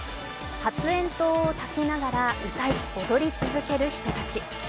発煙筒をたきながら歌い踊り続ける人たち。